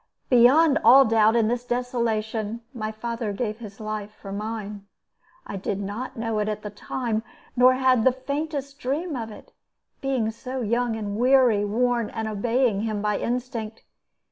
Beyond all doubt, in this desolation, my father gave his life for mine. I did not know it at the time, nor had the faintest dream of it, being so young and weary worn, and obeying him by instinct.